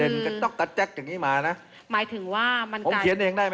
สถานการณ์จะไม่ไปจนถึงขั้นนั้นครับ